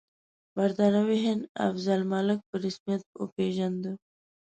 برټانوي هند افضل الملک په رسمیت وپېژانده.